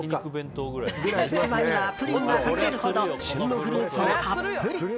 器にはプリンが隠れるほど旬のフルーツもたっぷり。